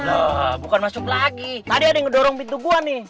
loh bukan masuk lagi tadi ada yang ngedorong pintu gua nih